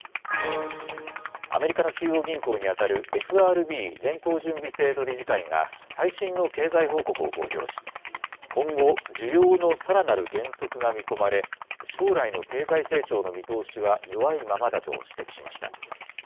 アメリカの中央銀行に当たるＦＲＢ・連邦準備制度理事会が最新の経済報告を公表し、今後、需要のさらなる減速が見込まれ、将来の経済成長の見通しは弱いままだと指摘しました。